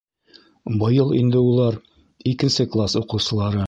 Быйыл инде улар икенсе класс уҡыусылары.